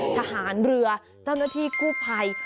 ทหารเรือเจ้าหน้าที่กู้ภัย